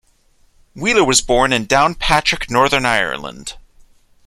Wheeler was born in Downpatrick, Northern Ireland.